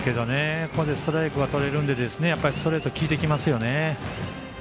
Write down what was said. ここでストライクがとれるのでストレートきいてきますよね。